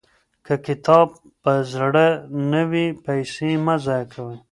که کتاب په زړه نه وي، پیسې مه ضایع کوئ.